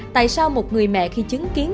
tại sao một người mẹ khi chứng kiến